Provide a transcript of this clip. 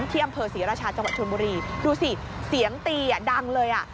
ที่อำเภอศรีราชาจังหวัดชนบุรีดูสิเสียงตีอ่ะดังเลยอ่ะ